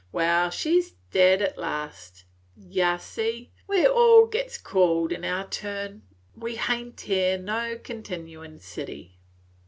Well, she 's dead at last. Yeh see, we all gits called in our turn. We hain't here no continuin' city."